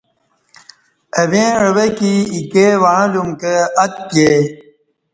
اہ ویں عوہ کی ایکے وعں لیوم کہ اتےّ